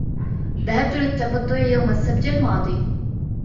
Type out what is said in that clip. ذهبت للتبضع يوم السبت الماضي.